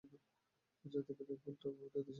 জাতিভেদের ফলটা আমাদের দেশের পক্ষে কী রকম?